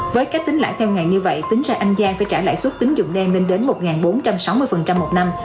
với cách tính lãi theo ngày như vậy tính ra an giang phải trả lãi suất tính dụng đen lên đến một bốn trăm sáu mươi một năm